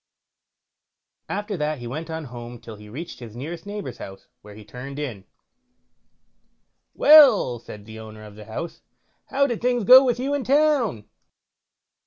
After that he went on home till he reached his nearest neighbour's house, where he turned in. "Well", said the owner of the house, "how did things go with you in town?"